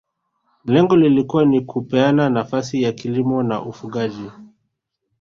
Lengo lilikuwa ni kupeana nafasi ya kilimo na ufugaji